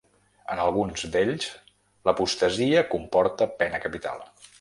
En alguns d’ells, l’apostasia comporta pena capital.